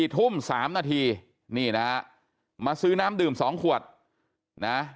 ทุ่ม๓นาทีนี่นะฮะมาซื้อน้ำดื่ม๒ขวดนะ